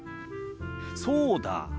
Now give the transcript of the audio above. そうだ。